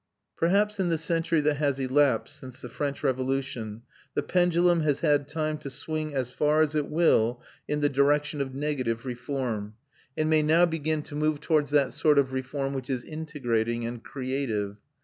Perhaps in the century that has elapsed since the French Revolution the pendulum has had time to swing as far as it will in the direction of negative reform, and may now begin to move towards that sort of reform which is integrating and creative.